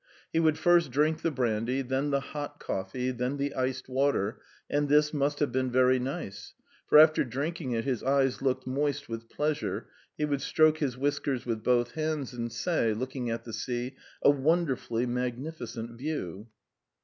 He would first drink the brandy, then the hot coffee, then the iced water, and this must have been very nice, for after drinking it his eyes looked moist with pleasure, he would stroke his whiskers with both hands, and say, looking at the sea: "A wonderfully magnificent view!"